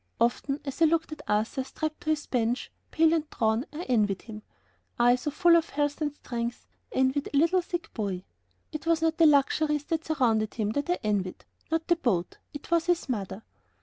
Often, as I looked at Arthur strapped to his bench, pale and drawn, I envied him, I, so full of health and strength, envied the little sick boy. It was not the luxuries that surrounded him that I envied, not the boat. It was his mother.